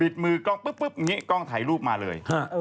บิดมือกล้องก็นี่กล้องถ่ายรูปมาเลย